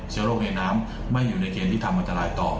โรคในน้ำไม่อยู่ในเกณฑ์ที่ทำอันตรายต่อ